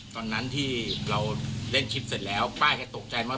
ตอนนั้นที่เราเล่นคลิปเสร็จแล้วป้าแกตกใจมาก